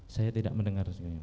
saya tidak mendengar soemar